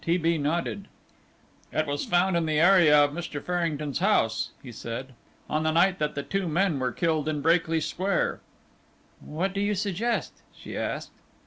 T. B. nodded. "It was found in the area of Mr. Farrington's house," he said, "on the night that the two men were killed in Brakely Square." "What do you suggest?" she asked.